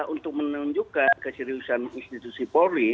untuk menunjukkan keseriusan institusi polri